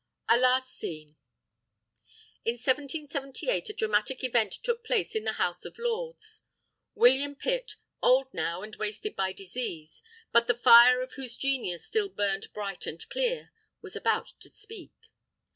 A LAST SCENE In 1778, a dramatic event took place in the House of Lords. William Pitt, old now and wasted by disease, but the fire of whose genius still burned bright and clear, was about to speak.